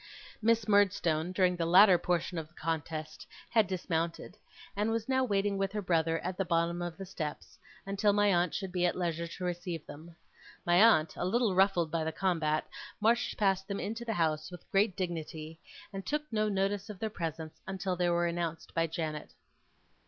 Miss Murdstone, during the latter portion of the contest, had dismounted, and was now waiting with her brother at the bottom of the steps, until my aunt should be at leisure to receive them. My aunt, a little ruffled by the combat, marched past them into the house, with great dignity, and took no notice of their presence, until they were announced by Janet.